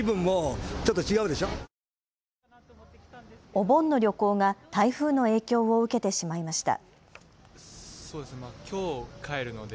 お盆の旅行が台風の影響を受けてしまいました。